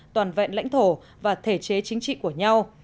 toàn vẹn lãnh thổ và thể chế chính trị của nhau